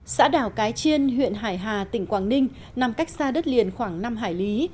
xã đảo cái chiên huyện hải hà tỉnh quảng ninh nằm cách xa đất liền khoảng năm hải lý